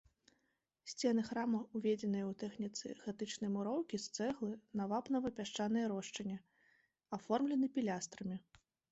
Сцены храма, узведзеныя ў тэхніцы гатычнай муроўкі з цэглы на вапнава-пясчанай рошчыне, аформлены пілястрамі.